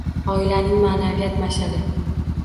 Oilaning maʼnaviyat mashʼali